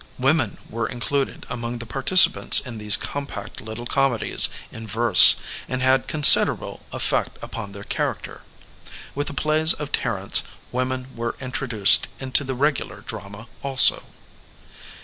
Women were included among the participants in these compact little comedies in verse Digitized by Google EVOLUTION OF THE ACTOR 477 and had considerable effect upon their character. With the plays of Terence women were introduced into the regular drama also.